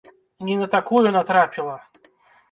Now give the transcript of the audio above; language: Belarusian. Не на такую натрапіла!